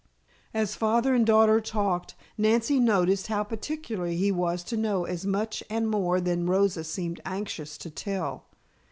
As father and daughter talked, Nancy noticed how particular he was to know as much and more than Rosa seemed anxious to tell.